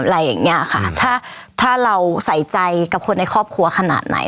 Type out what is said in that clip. อะไรอย่างเงี้ยค่ะถ้าถ้าเราใส่ใจกับคนในครอบครัวขนาดไหน